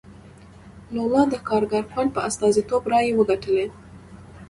لولا د کارګر ګوند په استازیتوب رایې وګټلې.